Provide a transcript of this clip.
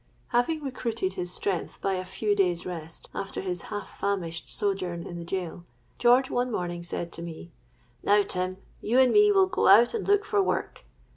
"Having recruited his strength by a few days' rest, after his half famished sojourn in the gaol, George one morning said to me, 'Now, Tim, you and me will go out and look for work.'